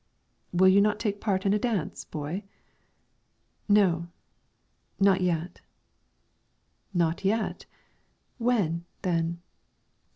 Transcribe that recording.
"Will you not take part in a dance, boy?" "No; not yet." "Not yet? When, then?"